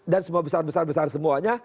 dan semua besar besar besar semuanya